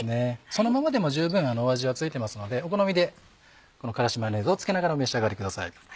そのままでも十分味はついていますのでお好みでこの辛子マヨネーズをつけながらお召し上がりください。